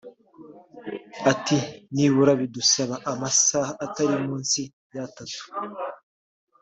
Ati “nibura bidusaba amasaha atari munsi y’atatu